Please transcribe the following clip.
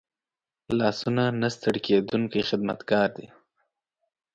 لاسونه نه ستړي کېدونکي خدمتګار دي